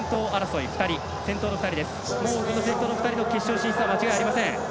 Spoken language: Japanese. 先頭の２人の決勝進出は間違いありません。